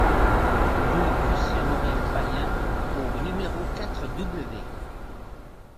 Rue Lucien Morel-Payen au numéro quatre W